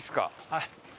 はい。